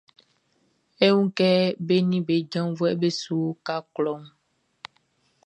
E wun kɛ be nin be janvuɛʼn be su uka klɔʼn.